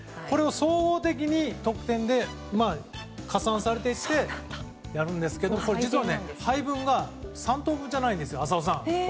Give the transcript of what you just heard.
これを総合的に得点で加算されていってやるんですが実は、配分が３等分じゃないんです。